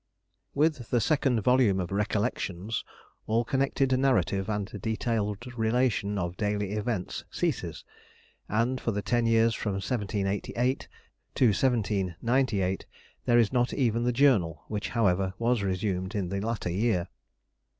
WITH the second volume of "Recollections" all connected narrative and detailed relation of daily events ceases, and for the ten years from 1788 to 1798 there is not even the journal, which, however, was resumed in the latter year.